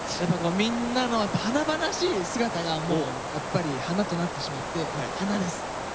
みんなの華々しい姿がやっぱり花となってしまって花です！